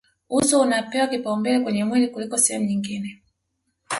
uso unapewa kipaumbele kwenye mwili kuliko sehemu nyingine